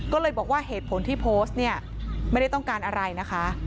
ก็เลยบอกว่าเหตุผลที่โพสต์เนี่ยไม่ได้ต้องการอะไรนะคะ